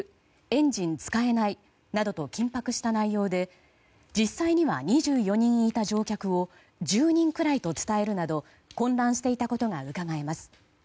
エンジン使えないなどと緊迫した内容で実際には２４人いた乗客を１０人くらいと伝えるなど混乱していたことがうかがえます。